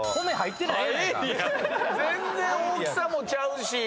全然大きさもちゃうし。